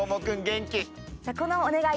この「おねがい！